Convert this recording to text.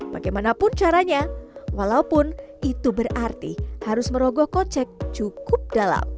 bagaimanapun caranya walaupun itu berarti harus merogoh kocek cukup dalam